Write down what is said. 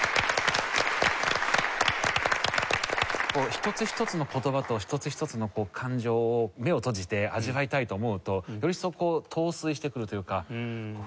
一つ一つの言葉と一つ一つの感情を目を閉じて味わいたいと思うとより一層陶酔してくるというかフワッとなってきて。